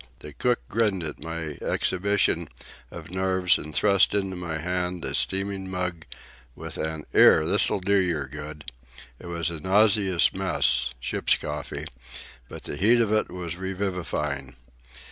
The cook grinned at my exhibition of nerves, and thrust into my hand a steaming mug with an "'Ere, this'll do yer good." It was a nauseous mess,—ship's coffee,—but the heat of it was revivifying.